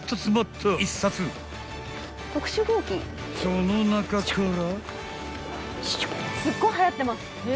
［その中から］